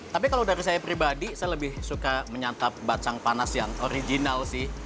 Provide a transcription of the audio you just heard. tapi kalau dari saya pribadi saya lebih suka menyantap bacang panas yang original sih